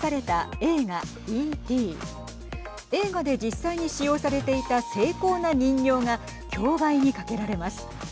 映画で実際に使用されていた精巧な人形が競売にかけられます。